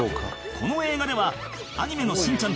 この映画ではアニメのしんちゃんとは違い